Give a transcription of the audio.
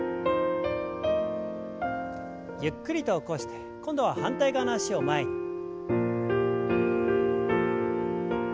ゆっくりと起こして今度は反対側の脚を前に。